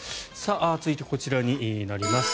続いて、こちらになります。